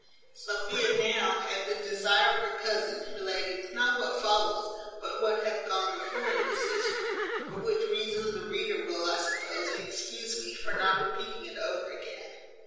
Sophia now, at the desire of her cousin, related not what follows, but what hath gone before in this history: for which reason the reader will, I suppose, excuse me for not repeating it over again.